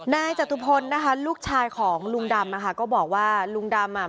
จตุพลนะคะลูกชายของลุงดำนะคะก็บอกว่าลุงดำอ่ะ